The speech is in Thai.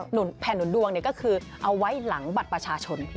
แผ่นหนุนดวงเนี่ยก็คือเอาไว้หลังบัตรประชาชน